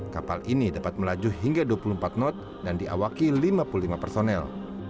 kapal ini dapat melaju hingga dua puluh empat knot dan diawaki lima puluh lima personel